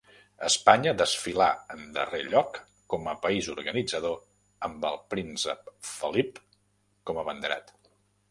Espanya desfilà en darrer lloc com a país organitzador amb el Príncep Felip com abanderat.